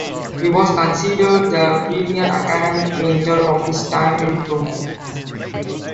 He was considered the premier academic painter of his time in Rome.